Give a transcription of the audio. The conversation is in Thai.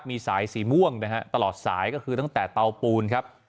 มีสายสีม่วงนะฮะตลอดสายก็คือตั้งแต่เตาปูนครับ